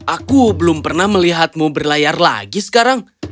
aku belum pernah melihatmu berlayar lagi sekarang